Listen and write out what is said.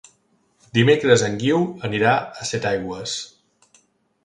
Dimecres en Guiu anirà a Setaigües.